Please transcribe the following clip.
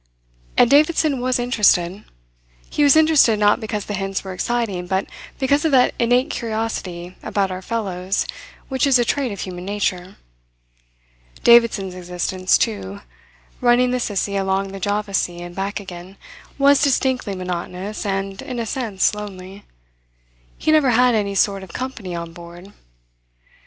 And Davidson was interested. He was interested not because the hints were exciting but because of that innate curiosity about our fellows which is a trait of human nature. Davidson's existence, too, running the Sissie along the Java Sea and back again, was distinctly monotonous and, in a sense, lonely. He never had any sort of company on board.